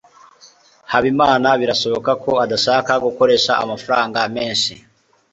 habimana birashoboka ko adashaka gukoresha amafaranga menshi